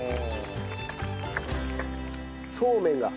そうめんが。